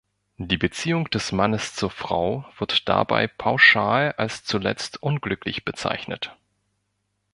Die Beziehung des Mannes zur Frau wird dabei pauschal als zuletzt unglücklich bezeichnet.